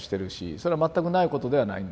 それは全くないことではないんですね。